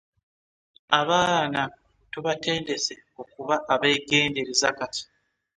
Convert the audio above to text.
Abaana tubatendese okuba abeegendereza kati.